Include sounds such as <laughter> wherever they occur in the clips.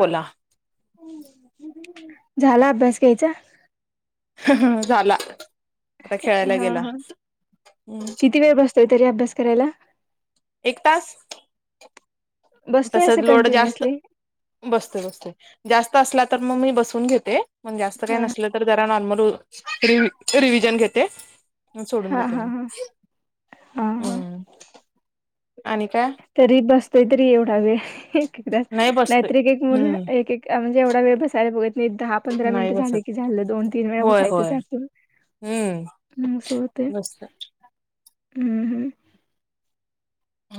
बोला झाला अभ्यास घ्यायचा. झाला. आता खेळायला हा गेला हा किती वेळ बसतोय तरी अभ्यास करायला. एक तास. बसतोय तसच असं लोड जास्त. कंटिन्युअसली बसते बसते जास्त असला तर मग मी बसून घेते मग जास्त काय हा नसल. तर त्यारा नॉर्मल रिव्हजन घेते सोडून हा देते हा मग हा हा हा हम्म. आणि का? तरी बसतोय तरी एवढा वेळ एक एकदा नाही बसतोय नाहीतर एक एक मुलं हम्म एक एक म्हणजे एवढा वेळ बसायला बघत नाही दहा पंधरा नाही मिनिटं झाले बसत की झालं दोन तीन वेळा होय उठायचं होय त्यातून <unintelligible> बस्. हम्म हम्म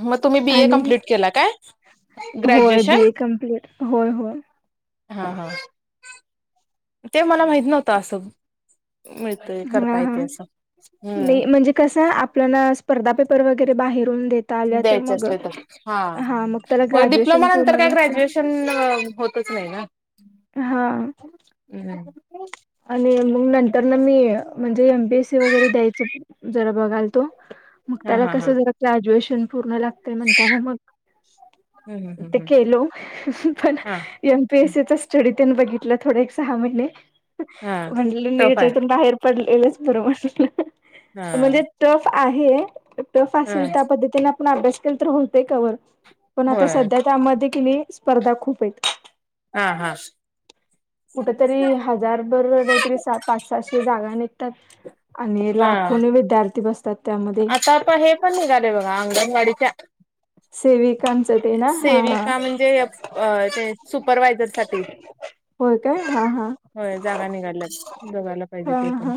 मग तुम्ही बी ए आणि कम्प्लीट केला काय होय बी ग्रॅज्युएशन ए कम्प्लीट होय होय हा हा ते मला माहित नव्हतं असं मिळतय हा करता हा येते असं नाही हम्म म्हणजे कस आपल्याला स्पर्धा पेपर वगैरे बाहेरून देत द्यायचे असेल तर हा मग त्याला होय ग्रॅज्युएशन डिप्लोमा नंतर पूर्ण काय लागते ग्रॅज्युएशन पण होतच नाही ना हा आणि मग नंतर न मी म्हणजे एमपीएससी वगैरे द्यायच जरा बघाल तो मग हा त्याला हा हा कस जरा ग्रॅज्युएशन पूर्णग ते म्हणताना मग हम्म हम्म ते हम्म केलो पण हा पी एससचा स्टडी त्या बघितला थोड सहा महिने हा म्ह टफ आहे हच्यातून बाहेर. पडलेलंच बरोबर हा म्हणजे टफ आहे. पती हा आप अभण्या होय त्यामध्ये किली स्पर्धा खूप आहेत. हा हा. कुठ तरी हजार बरोबर नाहीतरी स पाच सातशे जागा निघतात. आणि हा लाखोने विद्यार्थी बसतात. त्यामध्ये आता आपण हे पण निघालेय बघा अंगणवाडीच्या सेविकां सेविका म्हणजे ते सुपरवायझर साठी होय काय हा हा होय जागा निघालल्या जघायला पाहिजे ते पण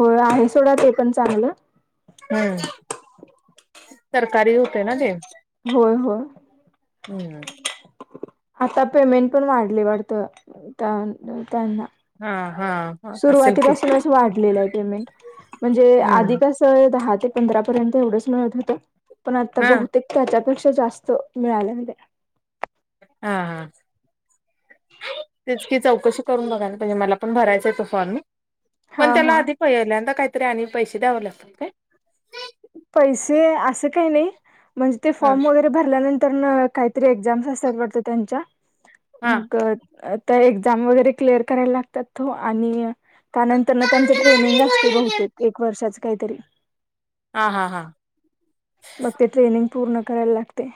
हो आहे सोडा ते पण चांगलं. हम्म तरकारी होय होय. हम्म आता पेमेंट पण वाढली वाटतं त्यांना हा हा. असेल की सुरुवातीपासून असं वाढलेलं आहे पेमेंट म्हणजे आधी हम्म कस. दहा ते पंधरा पर्यंत एवढंच मिळत होतं पण आता हा बहुतेक त्याच्यापेक्षा जास्त मिळाल्या. हा हा. <unintelligible> हो याल्यांदा हा हा काहीतरी आणि पैसे द्याव ला असत का? पैसे असे काही नाही म्हणजे ते ह फॉर्म वगैरे भरल्यानंतर तर काहीतरी एक्झाम्स असतातत त्यां हा मग तर एक्झाम वगैरे क्लिअर करायला लागतात तो आणि कानंतर ना त्यांच ट्रेनिंग असते बहुतेक एक वर्षाच काहीतरी हा हा हा. मग ते ट्रेनिंग पूर्ण करायला लागते.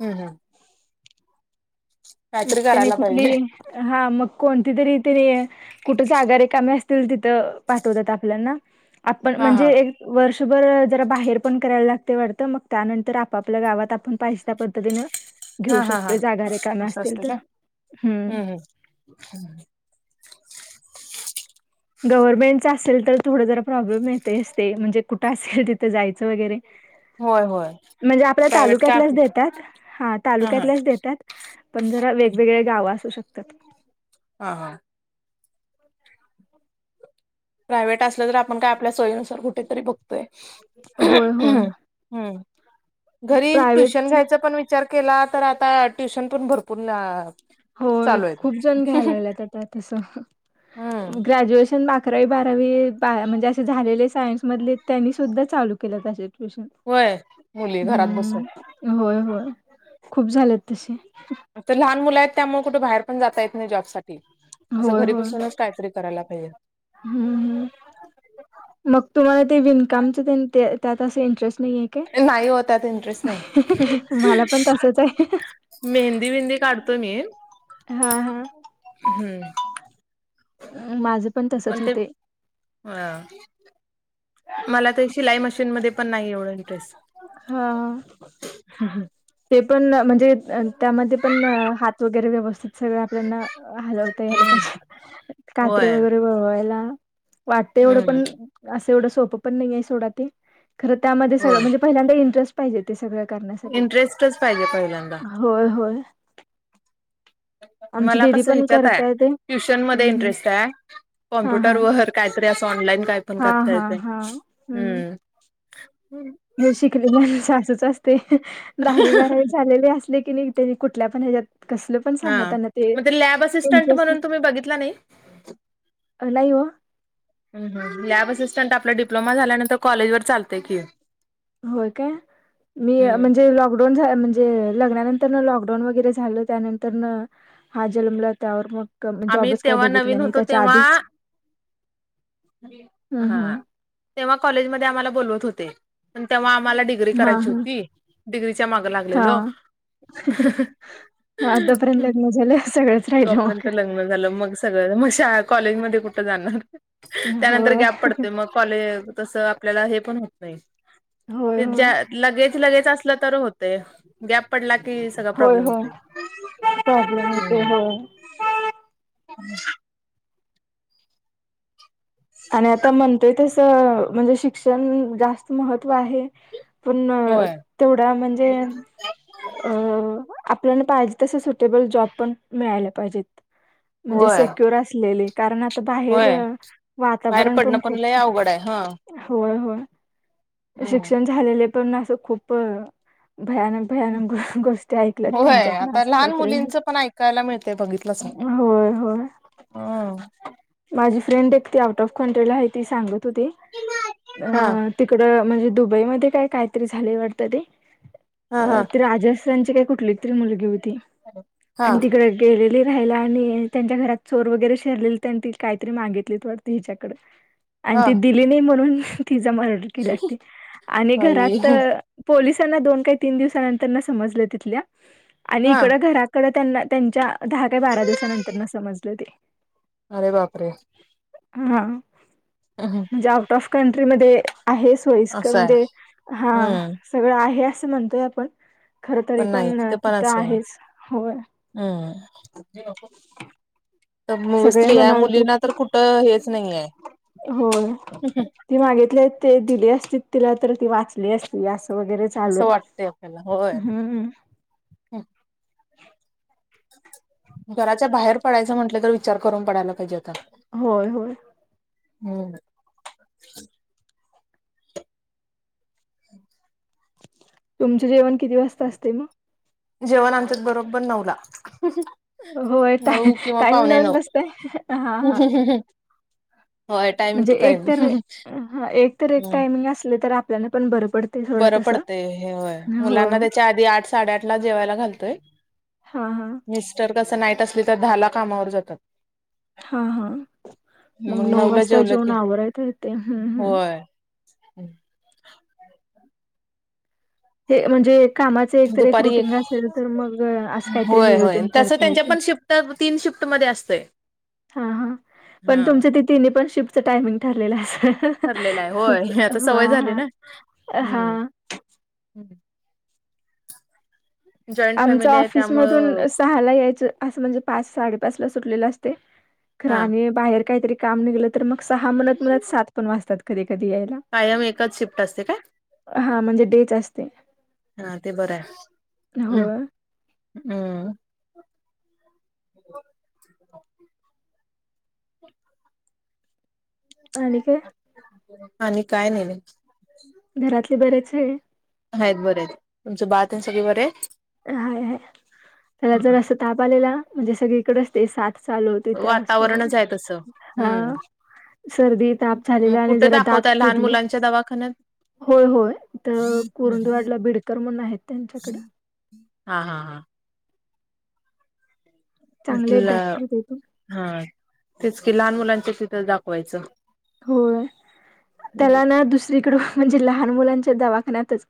हम् हम. मग त्याने करायला कुठली पाहिजे हा मग कोणती तरी त्याने कुठच आगारे कामे असतील तिथं पाठवतात आपल्याना आपण हा म्हणजे हा वर्षभर जरा बाहेर पण करायला लागते वाटतं मग, त्यानंतर आपापल्या गावात आपण पाहिसे त्या पद्धतीने घेऊ शकतोय जागा रे काम असत. च्या हम् ह् गव्हर्नमेंटचा असेल तर थोडं जरा प्रॉब्लेम येत अस ते म्हणजे कुठं असेल तिथं जायचं वगैरे होय होय म्हणजे आपल्या प्रायव्हेट काय तालुक्यातल्याच आपलं देतात हा तालुक्यातल्याच देतात. पण जरा हम्म वेगवेगळे गाव असू शकतात. हा हा प्रायव्हेट असलं तर आपण काय आपल्या सोयीनुसार कुठेतरी बघतोय. होय होय हम्म घरी ट्युशन प्रायव्हेटच घ्यायच पण विच विचार केला तर आता ट्युशन पण भरपूर होय चालू खूप आहेत जण घ्यायला लागल्यात आता तस हम्म ग्रॅज्युएशन बाकी अकरावी बारावी बा म्हणजे असे झालेले सायन्समधले त्यांनीसुद्धा चालू केलं तसेे. ूश होय मुली घरात बसून हम्म. होय होय खूप झालेत तसे. तर लहान मुलं आहेत त्यामुळे कुठे बाहेर पण जाता येत नाही जॉब साठी असं होय घरी होय बसूनच काहीतरी करायला पाहिजे. हम्म हम्म मग तुम्हाला ते विनकामच त्यात असं इंटरेस्ट नाही आहे. नाही हो त्यात इंटरेस्ट नाही. मला पण तसच आहे मेहंदी बिंदी काढतो मी हा हा हम् अ माझं पण तसच होते. हा ह मला तर शिलाई मशीनमध्येध्ये पण नाही एवढं इंटरेस्ट हां हा हा ते पण म्हणजे त्यामध्ये पण हात वगैरे व्यवस्थित सगळं आपल्याना हलवता यायला पाहिजे कात्रीे होय वगैरे वळवायला वाटत एवढं हम्म पण असं एवढं सोपं पण नाहीये सोडा ते खरं त्यामध्ये सगळं होय म्हणजे पहिल्यांदा इंटरेस्ट पाहिजे ते सगळं करण्यासाठी च पाहिजे पहिल्यांदा होय होय आमची मला दिदी कस पण ह्याच्यात आहे करताय ते ट्युशन मध्ये हम्म हम्म इंटरेस्ट आहे हा हा कॉम्प्युटरवर काहीतरी अस ऑनलाईन का पण हा करता हा येत. हा हम्म हे शिकलेले सासूच असते दहावी बारावी झालेले असले की नाहीनी कुठल्या पण ह्याच्यात कसल हा मग ते लॅब असिस्टंट म्हणून तुम्ही बघितला नाही. नाही हो ह लॅब असिस्टंट आपला डिप्लोमा झाल्यां वर चालतय कि होय काय मी हम्म म्हणजे लॉकड म्हणजे लग्नानंतर लॉकडाऊन वगैरे झालं त्यानंतर हा जलमला त्यावर मग आम्ही जॉबच काही तेव्हा बघितलं नवीन नाही होतो त्याच्या तेव्हा आधीच हा हम्म हम्म तेव्हा कॉलेज म आम्हाला बवत होते तेव्हा आम्हाला डग्री हा करायची हा होती डिग्रीच्या माग हा लागलेलं हा तोपर्यंत लग्न झालं सगळं तोपर्यंत लग्न झालं मग सगळं मग श कॉलेज मध्ये कुठं जाणार त्यानंतर होय गॅप पडते मग कॉ--आपल्याला हे पण होत नाही होय होय लगेच लगेच असलं तर होत. ते गॅप पडला की सग होय प्रॉब्लेम होय होतो. प्रॉब्लेम होते होय आणि आता म्हणतोय तसं म्हणजे शिक्षण जास्त महत्त्व आहे पण होय. तेवढा म्हणजे अ आपल्याला पाहिजे तस सुटेबल जॉब पण मिळाला पाहिजेत म्हणजे होय. सेक्युर असलेली कारण आता बाहेर होय बाहेर वातावरण पण पडणं लय खूप अवघड आहे हा. होय होय हम्म. शिक्षण झालेले पण असं खूप भयानक भयानक गो गोष्टी ऐकल्यात त्यांच्या होये पण आता असं लहान काहीतरी मुलींच पण ऐकायला मिळत बघित बसा होय होय माझी फ्रेंड एक ती आउट ऑफ कंट्रीला आहे ती सांगत होती अ हा तिकड म्हणजे दुबईमध्ये काय काहीतरी झाली वाटतं ते हा हा ते राज त्यांची काय कुठली तरी मुलगी होती हा आणि तिकडे गेलेली राहिला आणि त्यांच्या घरात चोर वगैरे काहीतरी मागितली त हिच्याकड आणि हा ती दिली नाही म्हणून तिचा मरण आणि आई घरात पोलिसांना दोन काही तीन दिवसानंतर समजलं तिथल्या आणि हा इकड घरा कडं त्यांना त्यांच्या दहा का बारा दिवसानंतर न समजले ते अरे बापरे हां अ हां ज्या आउट ऑफ कंट्री मध्ये आहे सोयस्कर असं आहे म्हणजे हा हम्म सगळं आहे असं म्हणतोय आपण खर तरी पण तिथं आहेच हो हम् तर सगळे स्त्रिया म्हणाल ते मुलीना तर कुठ त हे हो ती मागितली ते दिली असती तिला तर ती वाचली असती असं वगैरे चालू असं वाटतंय आपल्याला आहे होय हम्म ह घराच्या बाहेर पडायचं म्हटलं तर विचार करून पडायला पाहिजे आता होय होय हम् ह् तुमचे जेवण किती वाजता असते मग जेवण आमच्यात बरोबर नवला होय टाय नऊ किंवा टाइम पावणे लावून नऊ बसताय हा हा हम्म हम्म म्हणजे एक तर ह एक तर एक टायमिंग असले तर आपल्याला पण बरं पड बरं पडतय हेय मुलांना त्याच्या आधी आठ साडेआठ ला जेवायला घालतोय हा हा जर कस नाईट असली तर दहाला कामावर जातात हा हा मग नऊ नऊला वाजता जेवलं जेवन की आवरयता य ते हम्म हम् होय हे म्हणजे कामाच एकत एक रुटीन असेल तर मग असं काहीतरी होय होय नियोजन तसं करतायेत त्यांच्या पण शिफ्ट तीन शिफ्ट मध्ये असतय हा हा पण तुमच्या तिथीने पण शिफ्टचं टायमिंग ठरलेलं अस ठरलेला आहे होय आता सवय झाली ना हा हम्म जॉईंट आमच फॅमिली आहे त्यामुळं ऑफिसमधून सहाला यायचं असं म्हणजे पाच साडेपाच ला सुटलेलं असते खर हा आणि बाहेर काहीतरी काम निघलं तर मग सहा मणत मत सात पण वाजतात कधी कधी यायला कायम एकच शिफ्ट असते काय हा म्हणजे डेच असते हा ते बरं आहे होय हम्म <unintelligible> आणिख काय? आणि आणि काय नाही. घरातले बरेच आहे. ह आहेत बर आहेत तुमचं बातम सगळे बरे आहेत. हाय हय त्याला जर असं ताप आलेला म्हणजे सगळी इकडचते सात- चालू होत ते वातावरणच आहे तसं हा हम्म सर्दी ताप मग झालेला आणि कुठे जरा दात दाखवताय लहान फिटल मुलांच्या दवाखान्यात? होय होय तर कुरंदवाडला बिडकर म्हण आहेत त्यांच्याकड हा हा हा. चांगले इ आहेत डॉक्टर ते पण हा तेच कि लहान मुलांच्या तिथं जा होय त्याला ना दुस दरीकड <unintelligible> म्हणजे लहान मुलांच्या दवाखान्याच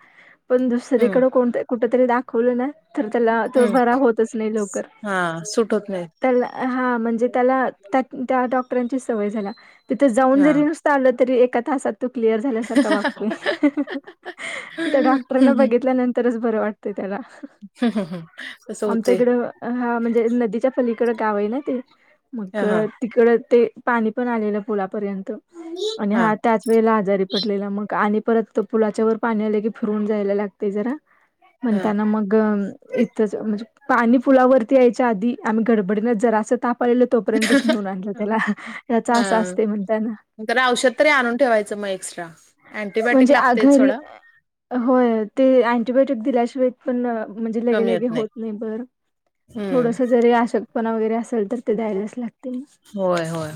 पण हम्म दुसरीकडण कुठ तरी दा. खोलू ना तर त्याला तो हम्म भरा होतच नाही लवकर हा सूट होत नाही टल ह म्हणजे त्याला त्या डॉक्टरांची सवय झाला तिथ जाऊ हा. जरी न चाललं तरी एका तासात तो क्लिअर झाल्यासारखा वागतोय हाहा.. त्या डॉक्टरन बघितल्यानंतर तरच बर वाटत त्याला तसं होतंय आमच्याकड ह म्हणजे नदीच्या पलकड गाव आहे ना ते मग हा हा तिकड ते पाणी पण आलेलं पुलापर्यंत. आणि हा त्याच वेळेला आजारी. पटलेला मग आणि परत पुलाच्या व पाणी आले की फिरवून जायला लागते जरा. हा. म्हणताना मग इथच म्हणजे पाणी पुलावरती यायच्या आधी आम्ही गडबडीन जराच ताप आलेल तोपर्यंतच नेऊन आणलं त्याला त्या अस असते म्हणताना नंतर औषध तरी आणून ठेवायचं मग एक्स्ट्रा अँटीबायोटिक म्हणजे लागतेच घरी थोडं. होय ते अँटीबायोटिक दिल्याशिवाय. पण म्हणजे लगे लगे होत नाही बर हम्म थोडस जरी अशकपणा वगैरे असेल तर द्यायलाच लागते मग होय होय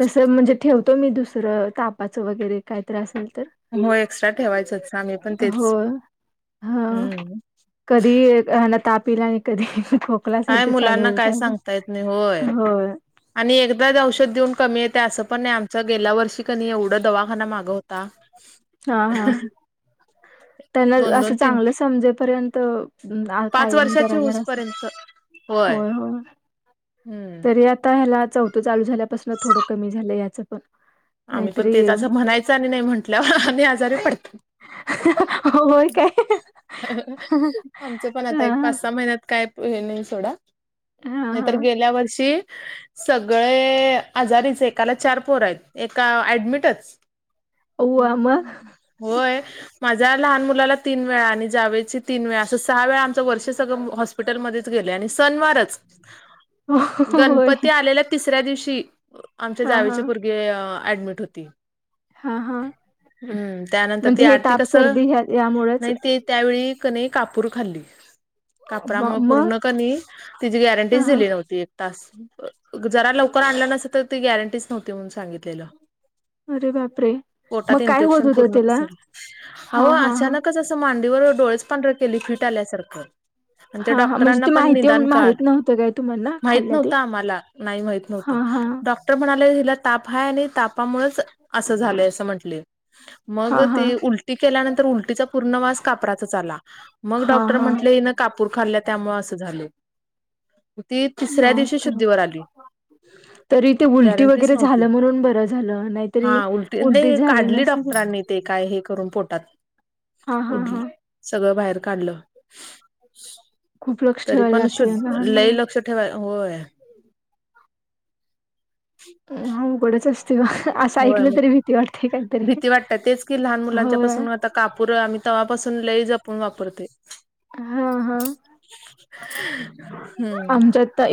तसं म्हणजे ठेवतो मी दुसरं तापाचं वगैरे काय त्रास हो एक्स्ट्रा ठेवायचंच साम पण तेच होय. हा हम्म. कधी तापला आणि कधी खोक. काय मुलांना काय सांगता येत नाही होय. आणि एकदाच औषध देऊन कमी येते असं पण नाही आमच गेल्या वर्षी कनी एवढा दवाखाना मागं होता. हा हा त्यांना दोन दोन असं तीन चांगलं समजेपर्यंत पाच कायम वर्षाची जरा जरा होऊस अस पर्यंत होय होय. हम्म. ते आता ह्याला चौथं चालू झाल्यापासून थोडं कमी झालं याचं पण आम्ही पण नाहीतरी तेच असं म्हणायच आणि नाही म्हंटल्यावर आ् आजारी पडतो. होय काय? आमच पण आता हा एक पाच सहा महिन्यात काय? त हे नाही सोडा हा नाही तरर हा. गेल्या वर्षी सगळे आजारीच एकाला चार पोर आहेत एका ऍडमिटच वा मग होय. माझ्या लहान मुलाला तीन वेळा आणि जावेची तीन वेळा असं सहा वेळा आमच वर्ष सगळं. हॉस्पिटलमध्येध्येच गेले आणि सनवारच होय तिसऱ्या दिवशी आमच्या हा हा जावेचे भगे ऍडमिट होती हा हा हम्म त्यानंतर ती म्हणजे हे आरती ताप कसं सर्दी ह्या यामुळेच नाही ते त्यावेळी क नाही कापूर खाल्ली म कापरामुळे मग पूर्ण कनी तिची ह गॅरंटीच हा दिली नव्हती तास जरा लवकर आणला नसेल तर ती गॅरंटीच नव्हती म्हणून सांगितलेलं अरे बापरे मग पोटात काय होत इन्फेक्शन होतं पूर्ण त्याला पसरलं हा अहं हा हा अचानकच असं मांडीवर डोळेच पांढर केली फिट आल्यासारखं आणि त्या हा हा म्हणजे डॉक्टरांना ती पण माहिती निदान माहित कळलं नव्हतं काय तुम्हाला माहित खाल्ल्या ते नव्हत आम्हाला. नाही माहित हा नव्हतं. हा र म्हणाले हिला ताप आहे आणि तापामुळेच असं झालंय असं म्हंटले मग हा हा तेी उलटी केल्यानंतर उलटीचा पूर्ण मास कापराचाच आला मग हा डॉक्टर हा म्हटले ना कापूर खाल्ल्या त्यामुळे असं झाले. ती तिसऱ्या दिवशी बापरे शुद्धीवर आली. तरी ते उलटी गॅरंटीच वगैरे झालं नव्हती म्हणून बर झालं. हा नाहीतरी उलटी नाही झाली काढली नसती तर डॉक्टरांनी. ते काय हे करून पोटात हा हा उड हा सगळं बाहेर काढलं. खूप लक्ष तरी ठेवायला पण लागते शुद्ध लहान लय मुलांना लक्ष ठेवाय होय. हा उकडच असते. असं होय ऐकलं तरी मग भीती वाटते. काहीतरी भीती वाटते तेच की लहान होय मुलांच्यापासून. आता कापूर आम्ही तेव्हापासून लई जपून वापरते. हा हा हम्म. आमच्यात तर